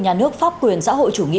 nhà nước pháp quyền xã hội chủ nghĩa